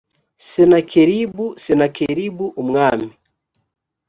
senakeribu senakeribu umwami